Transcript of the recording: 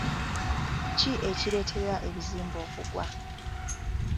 Ki ekireetera ebizimbe okugwa?